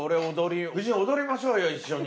夫人、踊りましょうよ、一緒に。